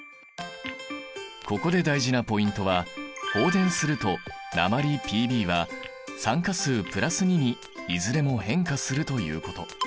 ここで大事なポイントは放電すると鉛Ｐｂは酸化数＋２にいずれも変化するということ。